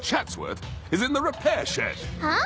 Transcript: えっ？